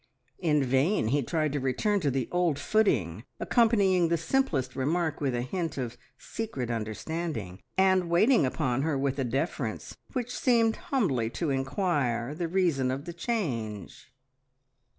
In vain he tried to return to the old footing, accompanying the simplest remark with a hint of secret understanding, and waiting upon her with a deference which seemed humbly to inquire the reason of the change.